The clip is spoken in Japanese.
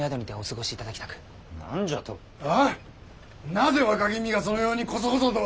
なぜ若君がそのようにこそこそと！